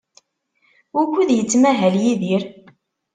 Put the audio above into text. Wukud yettmahal Yidir?